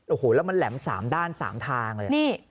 โอ้โหแล้วมันแหลม๓ด้าน๓ทางเลย